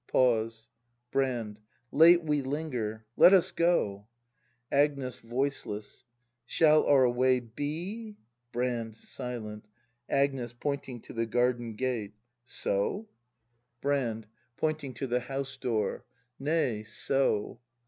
[Pause. Brand. Late we linger; let us go. Agnes. [Voiceless.] Shall our way be .'' Brand. [Silent.] Agnes. [Pointing to the garden gate.] So.? 152 BRAND [act hi Brand. [Pointing to the house door.] Nay, — so!